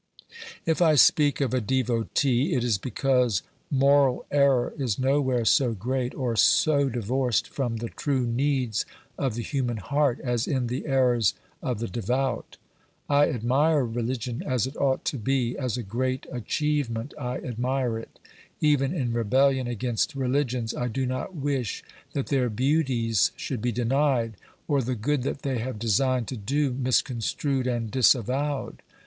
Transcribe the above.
If I speak of a devotee, it is because moral error is nowhere so great or so divorced from the true needs of the human heart as in the errors of the devout. I admire religion as it ought to be ; as a great achievement I admire it ; even in rebellion against religions, I do not wish that their beauties should be denied, or the good that they have designed to do misconstrued and dis avowed.